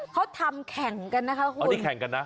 เขาทำแข่งกันนะคะคุณ